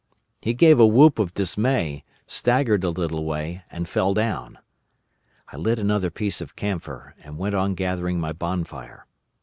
He gave a whoop of dismay, staggered a little way, and fell down. I lit another piece of camphor, and went on gathering my bonfire.